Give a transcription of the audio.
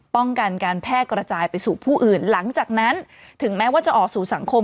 ป้องกันการแพร่กระจายไปสู่ผู้อื่นหลังจากนั้นถึงแม้ว่าจะออกสู่สังคม